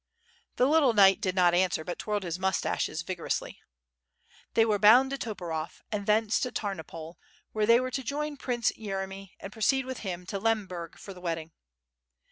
The little knight did not answer but twirled his moustaches vigorously. They were bound to Toporov and thence to Tamopol where they were to join Prince Yeremy, and proceed with him to Lemberg for the wedding.